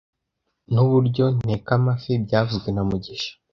Nuburyo nteka amafi byavuzwe na mugisha